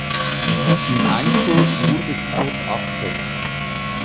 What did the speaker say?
Im Einzel wurde sie dort Achte.